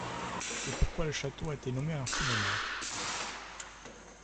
C'est pourquoi le Château a été nommé en son honneur.